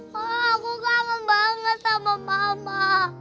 ma aku kangen banget sama mama